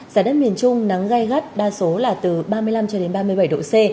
giá đất miền trung nắng gai gắt đa số là từ ba mươi năm cho đến ba mươi bảy độ c